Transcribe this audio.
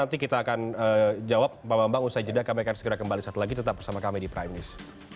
dan jawab pak mbak mbak usai jeda kami akan segera kembali satu lagi tetap bersama kami di prime news